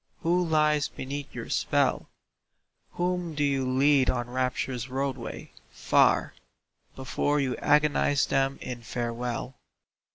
Who lies beneath your spell? Whom do you lead on Rapture's roadway, far, Before you agonise them in farewell?